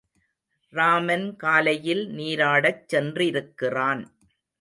ராமன் காலையில் நீராடச் சென்றிருக்கிறான்.